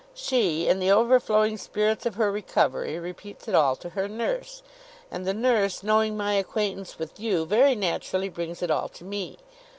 She in the overflowing spirits of her recovery, repeats it all to her nurse; and the nurse knowing my acquaintance with you, very naturally brings it all to me.